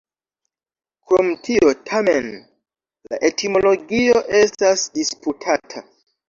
Krom tio, tamen, la etimologio estas disputata.